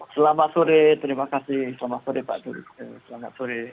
selamat sore terima kasih selamat sore pak doli